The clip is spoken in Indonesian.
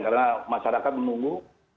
karena masyarakat menunggu